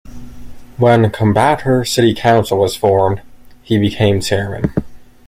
When Coimbatore City Council was formed, he became chairman.